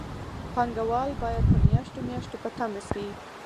پانګوال باید په میاشتو میاشتو په تمه شي